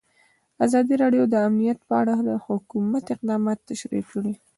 ازادي راډیو د امنیت په اړه د حکومت اقدامات تشریح کړي.